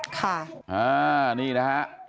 ค่ะ